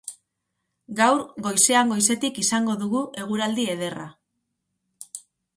Gaur goizean goizetik izango dugu eguraldi ederra.